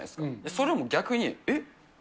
それももう逆に、えっ？